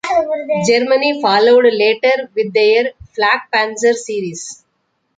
Germany followed later with their "Flakpanzer" series.